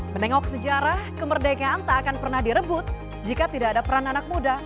menengok sejarah kemerdekaan tak akan pernah direbut jika tidak ada peran anak muda